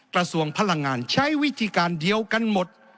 กระทรวงพลังงานใช้วิธีการเดียวกันหมด